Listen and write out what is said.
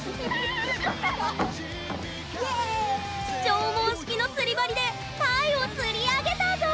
縄文式の釣り針でタイを釣り上げたぞ！